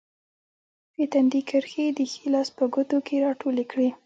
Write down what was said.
د تندي کرښې یې د ښي لاس په ګوتو کې راټولې کړې.